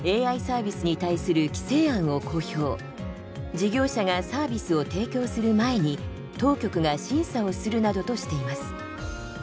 事業者がサービスを提供する前に当局が審査をするなどとしています。